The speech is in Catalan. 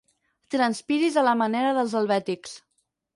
Transpiris a la manera dels helvètics.